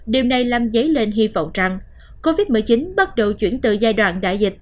điều này làm dấy lên hy vọng rằng covid một mươi chín bắt đầu chuyển từ giai đoạn đại dịch